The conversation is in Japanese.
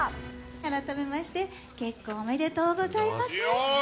改めまして、結婚おめでとうイエーイ！